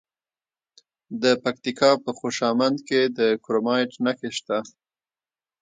د پکتیکا په خوشامند کې د کرومایټ نښې شته.